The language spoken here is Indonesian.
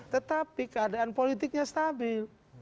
tetapi keadaan politiknya stabil